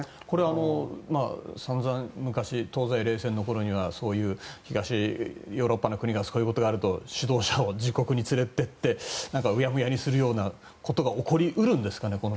これは散々、昔東西冷戦の頃にはそういう東ヨーロッパの国がそういうことがあると指導者を自国に連れていってうやむやにするようなことが起こり得るんですかね。